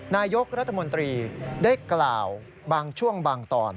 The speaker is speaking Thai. นายกรัฐมนตรีได้กล่าวบางช่วงบางตอน